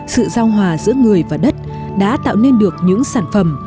sự giao hòa giữa người và đất đã tạo nên được những sản phẩm